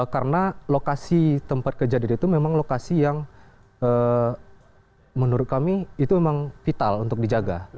karena lokasi tempat kejadian itu memang lokasi yang menurut kami itu memang vital untuk dijaga